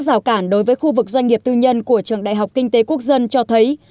rào cản đối với khu vực doanh nghiệp tư nhân của trường đại học kinh tế quốc dân cho thấy